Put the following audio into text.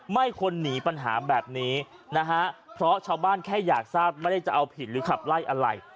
ไม่ควรหนีปัญหาแบบนี้นะฮะเพราะชาวบ้านแค่อยากทราบไม่ได้จะเอาผิดหรือขับไล่อะไร